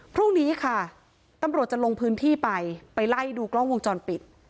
พรุ่งนี้ค่ะตำรวจจะลงพื้นที่ไปไปไล่ดูกล้องวงจรปิด